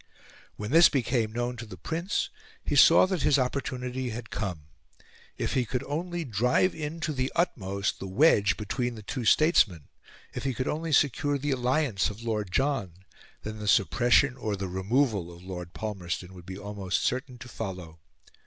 When this became known to the Prince, he saw that his opportunity had come. If he could only drive in to the utmost the wedge between the two statesmen, if he could only secure the alliance of Lord John, then the suppression or the removal of Lord Palmerston would be almost certain to follow.